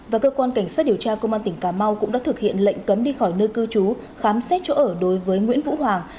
và cơ quan cảnh sát điều tra công an tỉnh cà mau cũng đã thực hiện lệnh cấm đi khỏi nơi cư trú khám xét chỗ ở đối với nguyễn vũ hoàng